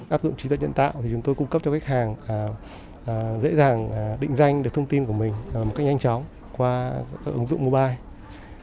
áp dụng trí tuệ nhân tạo thì chúng tôi cung cấp cho khách hàng dễ dàng định danh được thông tin của mình một cách nhanh chóng qua ứng dụng mobile